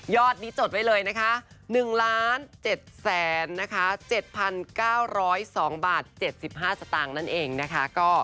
ยอดนี้จดไว้เลย๑๗๐๗๙๐๒บาท๗๕สตางค์